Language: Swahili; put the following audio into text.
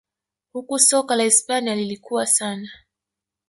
Huku soka la Hispania lilikua sana